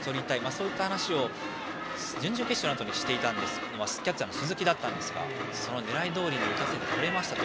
そういった話を準々決勝のあとにしていましたキャッチャーの鈴木でしたがその狙いどおりに打たせてとりました。